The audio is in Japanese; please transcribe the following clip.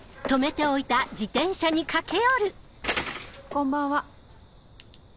こんばんは。